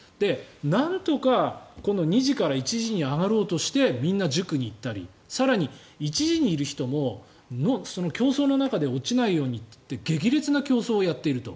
なんとか、この２次から１次に上がろうとしてみんな塾に行ったり更に、１次にいる人も競争の中で落ちないようにと言って激烈な競争をやっていると。